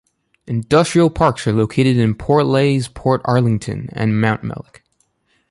Industrial parks are located in Portlaoise, Portarlington and Mountmellick.